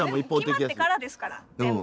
決まってからですから全部。